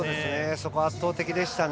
そこは圧倒的でしたね。